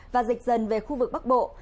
và dịch dần về khu vực bắc bộ